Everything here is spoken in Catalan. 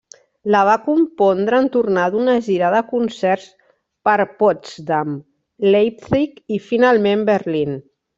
La va compondre en tornar d'una gira de concerts per Potsdam, Leipzig i, finalment, Berlín.